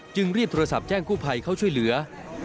รีบโทรศัพท์แจ้งกู้ภัยเขาช่วยเหลือ